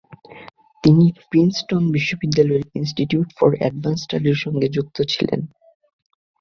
তিনি প্রিন্সটন বিশ্ববিদ্যালয়ের institute for advanced স্টাডির সঙ্গে যুক্ত ছিলেন।